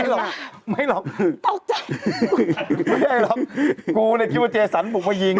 ไม่หรอกไม่แหละผมถึงกูคิดว่าเจสันผมมายิง